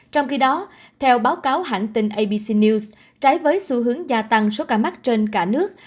trong khi đó theo báo cáo hãng tin abc news trái với xu hướng gia tăng số ca mắc trên cả nước